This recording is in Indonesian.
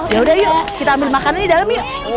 yaudah yuk kita ambil makanan di dalam yuk